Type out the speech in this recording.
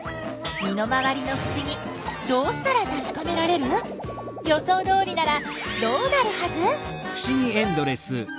身の回りのふしぎどうしたらたしかめられる？予想どおりならどうなるはず？